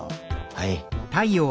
はい。